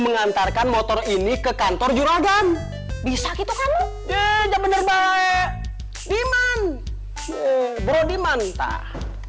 mengantarkan motor ini ke kantor juragan bisa gitu kan bener bener baik diman bro diman tak